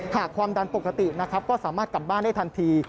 หากความดันปกตินะครับก็สามารถกลับบ้านได้ทันที